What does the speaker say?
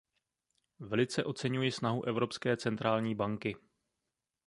Velice oceňuji snahu Evropské centrální banky.